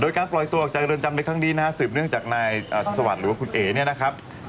โดยการปล่อยตัวออกจากเรือนจำในครั้งนี้นะฮะสืบเนื่องจากนายสวัสดิ์หรือว่าคุณเอ๋เนี่ยนะครับ